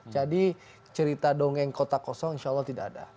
jadi cerita dongeng kota kosong insya allah tidak ada